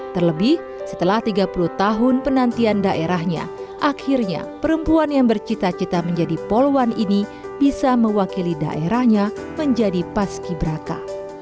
terlebih setelah tiga puluh tahun penantian daerahnya akhirnya perempuan yang bercita cita menjadi poluan ini bisa mewakili daerahnya menjadi paski braka